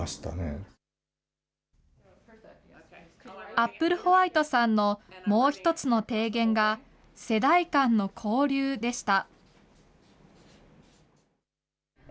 アップルホワイトさんのもう１つの提言が、世代間の交流でした。